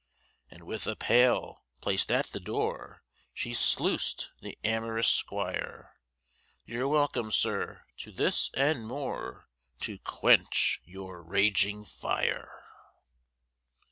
And with a pail, placed at the door, She sluic'd the amorous 'squire; You're welcome, Sir, to this and more, To quench your raging fire.